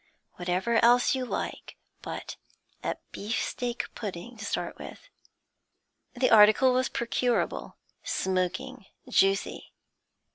Whatever else you like, but a beefsteak pudding to start with.' The article was procurable, smoking, juicy.